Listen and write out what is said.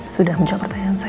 sudah menjawab pertanyaan saya